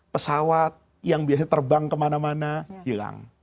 pesawat yang biasa terbang kemana mana hilang